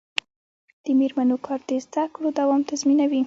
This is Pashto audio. د میرمنو کار د زدکړو دوام تضمینوي.